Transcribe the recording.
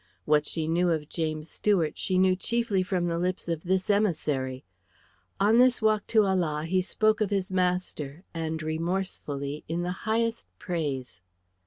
What she knew of James Stuart, she knew chiefly from the lips of this emissary. On this walk to Ala he spoke of his master, and remorsefully in the highest praise.